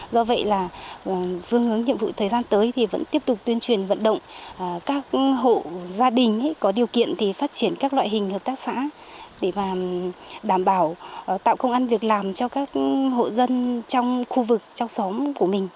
do vậy là phương hướng nhiệm vụ thời gian tới thì vẫn tiếp tục tuyên truyền vận động các hộ gia đình có điều kiện thì phát triển các loại hình hợp tác xã để đảm bảo tạo công an việc làm cho các hộ dân trong khu vực trong xóm của mình